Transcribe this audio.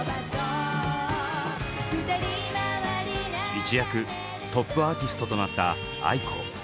一躍トップアーティストとなったａｉｋｏ。